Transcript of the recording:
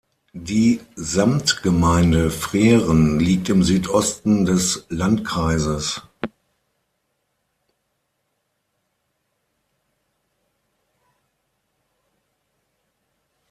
Die Samtgemeinde Freren liegt im Südosten des Landkreises.